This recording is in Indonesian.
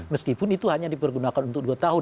meskipun itu hanya dipergunakan untuk dua tahun